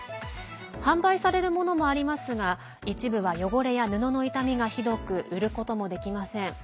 販売されるものもありますが一部は汚れや布の傷みがひどく売ることもできません。